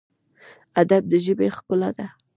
ادب د ژبې ښکلا ده